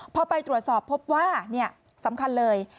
พอไปตรวจสอบพบว่าสำคัญเลย